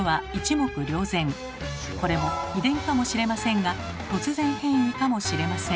これも遺伝かもしれませんが突然変異かもしれません。